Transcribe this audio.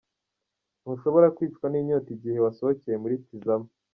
Ntushobora kwicwa n'inyota igihe wasohokeye muri Tizama.